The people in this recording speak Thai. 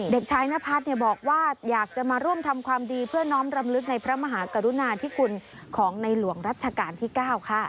เด็กชายนพัฒน์บอกว่าอยากจะมาร่วมทำความดีเพื่อน้อมรำลึกในพระมหากรุณาธิคุณของในหลวงรัชกาลที่๙ค่ะ